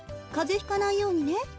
かぜひかないようにね。